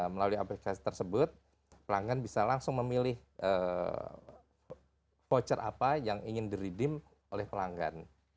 melalui aplikasi tersebut pelanggan bisa langsung memilih voucher apa yang ingin di rediem oleh pelanggan